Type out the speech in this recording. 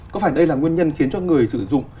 có phải đây là nguyên nhân khiến cho người sử dụng